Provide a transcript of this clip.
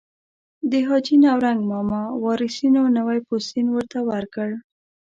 د حاجي نورنګ ماما وارثینو نوی پوستین ورته ورکړ.